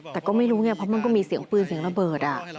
แต่ก็ไม่รู้ไงเพราะมันก็มีเสียงปืนเสียงระเบิด